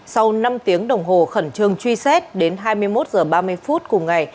sau năm tiếng đồng hồ khẩn trương truy xét đến hai mươi một h ba mươi phút cùng ngày